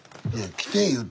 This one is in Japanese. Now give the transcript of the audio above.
来て言うて。